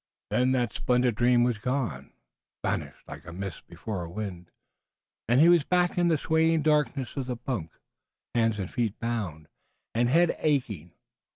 Then that splendid dream was gone, vanishing like a mist before a wind, and he was back in the swaying darkness of the bunk, hands and feet bound, and head aching.